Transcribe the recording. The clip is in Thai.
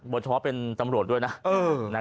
โดยเฉพาะเป็นตำรวจด้วยนะ